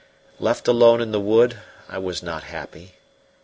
Left alone in the wood, I was not happy.